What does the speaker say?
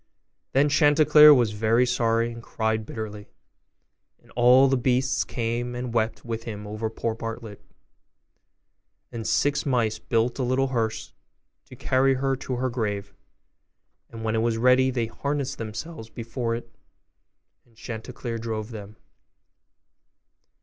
Then Chanticleer was very sorry, and cried bitterly; and all the beasts came and wept with him over poor Partlet. And six mice built a little hearse to carry her to her grave; and when it was ready they harnessed themselves before it, and Chanticleer drove them.